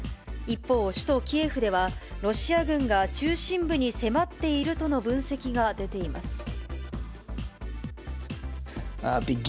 一方、首都キエフでは、ロシア軍が中心部に迫っているとの分析が出ています。